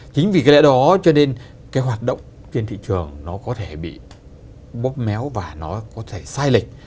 chính vì cái lẽ đó cho nên cái hoạt động trên thị trường nó có thể bị bóp méo và nó có thể sai lệch